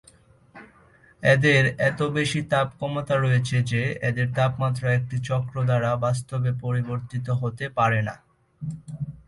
এদের এত বেশী তাপ ক্ষমতা রয়েছে যে এদের তাপমাত্রা একটি চক্র দ্বারা বাস্তবে পরিবর্তিত হতে পারেনা।